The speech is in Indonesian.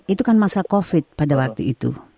itu kan masa covid pada waktu itu